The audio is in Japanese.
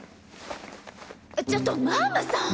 ちょっとマァムさん！